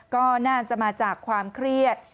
ก็น่าจะมาจากความเครียด